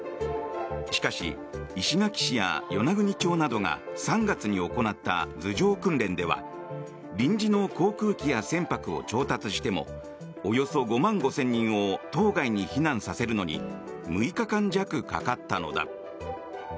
しかし、石垣市や与那国町などが３月に行った図上訓練では臨時の航空機や船舶を調達してもおよそ５万５０００人を島外に避難させるのに６日間弱かかったのだ。